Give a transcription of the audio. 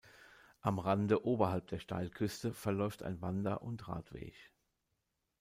Am Rande oberhalb der Steilküste verläuft ein Wander- und Radweg.